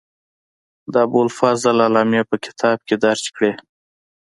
ابوالفضل علامي په کتاب کې درج کړې.